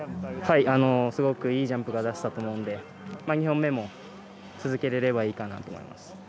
すごくいいジャンプを出せたと思うので２本目も続けられればいいかなと思います。